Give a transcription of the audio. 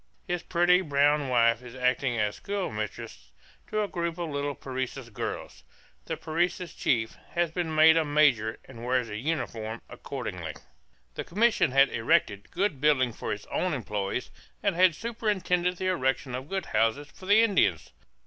His pretty brown wife is acting as schoolmistress to a group of little Parecis girls. The Parecis chief has been made a major and wears a uniform accordingly. The commission has erected good buildings for its own employees and has superintended the erection of good houses for the Indians.